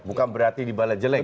bukan berarti dybala jelek ya